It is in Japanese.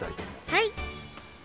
はい。